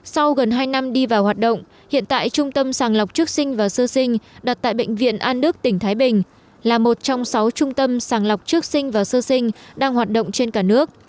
sau gần hai năm đi vào hoạt động hiện tại trung tâm sàng lọc trước sinh và sơ sinh đặt tại bệnh viện an đức tỉnh thái bình là một trong sáu trung tâm sàng lọc trước sinh và sơ sinh đang hoạt động trên cả nước